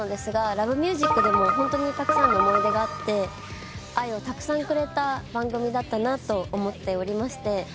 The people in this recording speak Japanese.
『Ｌｏｖｅｍｕｓｉｃ』でもホントにたくさんの思い出があって愛をたくさんくれた番組だったと思っておりまして。